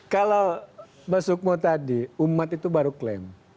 kalau mas sukmo tadi umat itu baru klaim